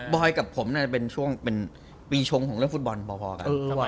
อยกับผมน่าจะเป็นช่วงเป็นปีชงของเรื่องฟุตบอลพอกัน